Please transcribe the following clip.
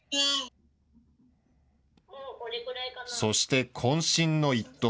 そして、こん身の一投。